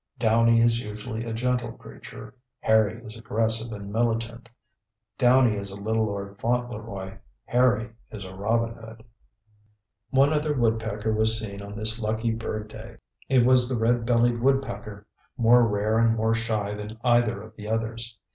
Downy is usually a gentle creature; Hairy is aggressive and militant. Downy is a little Lord Fauntleroy; Hairy is a Robin Hood. One other woodpecker was seen on this lucky bird day. It was the red bellied woodpecker, more rare and more shy than either of the others.